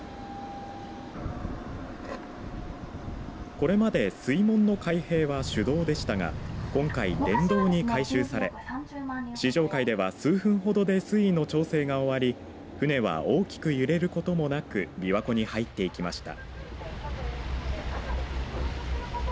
これまで水門の開閉は手動でしたが今回電動に改修され試乗会では数分ほどで水位の調整が終わり船は大きく揺れることもなくびわ湖に入っていきました。